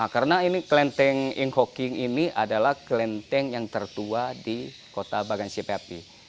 karena kelenteng ingho kiong ini adalah kelenteng yang tertua di kota bagansi api api